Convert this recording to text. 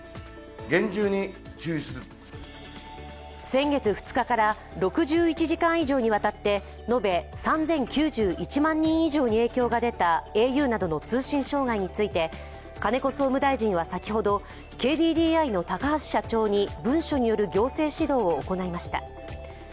先月２日から、６１時間以上にわたって延べ３０９１万人以上に影響が出たａｕなどの通信障害について、金子総務大臣は先ほど、ＫＤＤＩの高橋社長に、文書による行政指導を行いました。